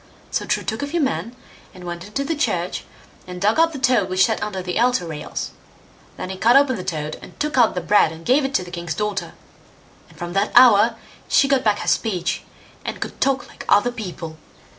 So True took a few men, and went into the church, and dug up the toad which sat under the altar rails. Then he cut open the toad, and took out the bread and gave it to the king's daughter; and from that hour she got back her speech, and could talk like other people.